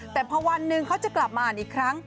แต่พอวันหนึ่งเขาจะกลับมาอ่านอีกครั้ง